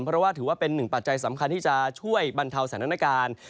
เพราะว่าถือว่าเป็นหนึ่งปัจจัยสำคัญที่จะช่วยบรรเทาสถานการณ์